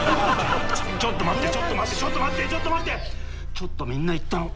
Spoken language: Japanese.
ちょっと待ってちょっと待ってちょっと待ってちょっと待って！